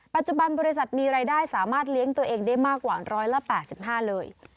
ปัจจุบันบริษัทมีรายได้สามารถเลี้ยงตัวเองได้มากกว่า๑๘๕เลย